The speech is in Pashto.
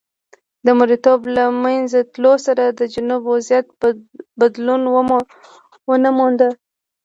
د مریتوب له منځه تلو سره د جنوب وضعیت بدلون ونه موند.